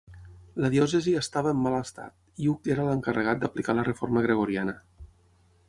La diòcesi estava en mal estat i Hug era l'encarregat d'aplicar la reforma gregoriana.